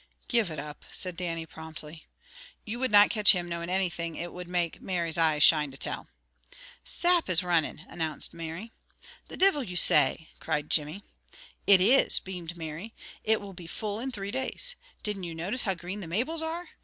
"Give it up," said Dannie promptly. You would not catch him knowing anything it would make Mary's eyes shine to tell. "Sap is running!" announced Mary. "The Divil you say!" cried Jimmy. "It is!" beamed Mary. "It will be full in three days. Didn't you notice how green the maples are?